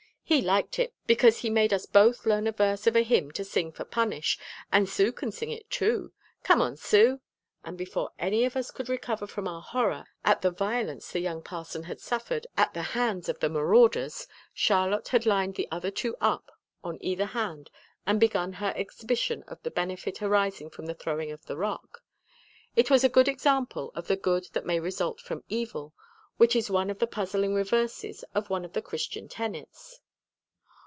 "He liked it, because he made us both learn a verse of a hymn to sing for punish, and Sue can sing it, too. Come on, Sue!" and before any of us could recover from our horror at the violence the young parson had suffered at the hands of the marauders, Charlotte had lined the other two up on either hand and begun her exhibition of the benefit arising from the throwing of the rock. It was a very good example of the good that may result from evil, which is one of the puzzling reverses of one of the Christian tenets.